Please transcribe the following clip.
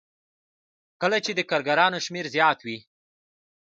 کله چې د کارګرانو شمېر زیات وي